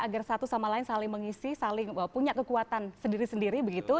agar satu sama lain saling mengisi saling punya kekuatan sendiri sendiri begitu